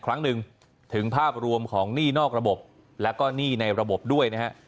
ครั้งหนึ่งถึงภาพรวมของหนี้นอกระบบแล้วก็หนี้ในระบบด้วยนะฮะ